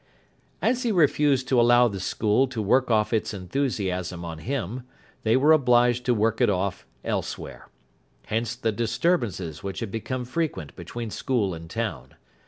As he refused to allow the school to work off its enthusiasm on him, they were obliged to work it off elsewhere. Hence the disturbances which had become frequent between school and town.